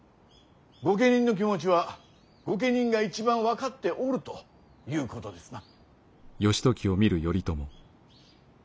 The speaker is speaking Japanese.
御家人の気持ちは御家人が一番分かっておるということですな。